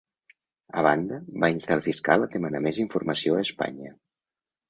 A banda, va instar el fiscal a demanar més informació a Espanya.